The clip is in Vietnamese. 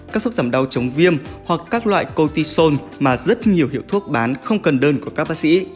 các thuốc giảm đau chống viêm hoặc các loại cortisol mà rất nhiều hiệu thuốc bán không cần đơn của các bác sĩ